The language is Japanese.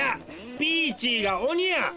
ピーチーがおにや！